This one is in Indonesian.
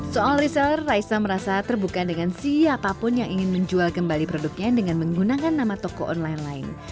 soal reseller raisa merasa terbuka dengan siapapun yang ingin menjual kembali produknya dengan menggunakan nama toko online lain